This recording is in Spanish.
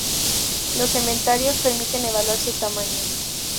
Los cementerios permiten evaluar su tamaño.